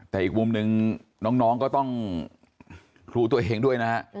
แต่อีกมุมนึงน้องก็ต้องครูตัวเองด้วยนะฮะ